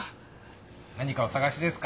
何かおさがしですか？